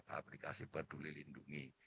aplikasi peduli lindungi